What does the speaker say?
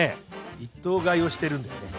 一頭買いをしてるんだよね。